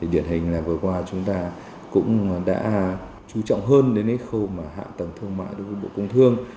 điển hình là vừa qua chúng ta cũng đã chú trọng hơn đến khâu hạ tầng thương mại đối với bộ công thương